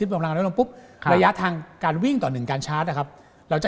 ระยะทางการวิ่งต่อ๑การชาร์จ